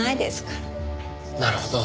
なるほど。